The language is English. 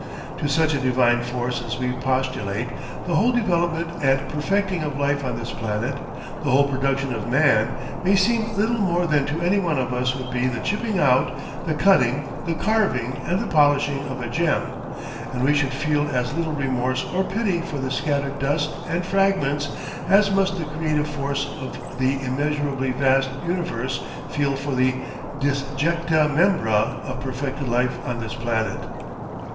... "To such a Divine Force as we postulate, the whole development and perfecting of life on this planet, the whole production of man, may seem little more than to any one of us would be the chipping out, the cutting, the carving, and the polishing of a gem; and we should feel as little remorse or pity for the scattered dust and fragments as must the Creative Force of the immeasurably vast universe feel for the DISJECTA MEMBRA of perfected life on this planet.